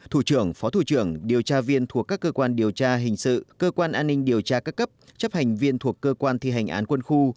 thủ trưởng phó thủ trưởng điều tra viên thuộc các cơ quan điều tra hình sự cơ quan an ninh điều tra các cấp chấp hành viên thuộc cơ quan thi hành án quân khu